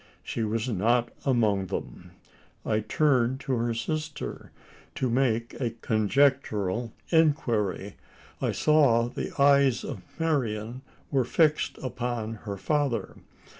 She was not among them! I turned to her sister to make a conjectural inquiry. I saw that the eyes of Marian were fixed upon her father.